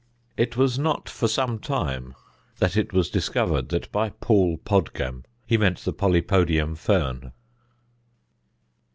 It was not for some time that it was discovered that by Paul Podgam he meant the polypodium fern.